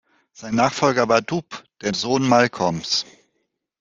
Sein Nachfolger war Dubh, der Sohn Malcolms.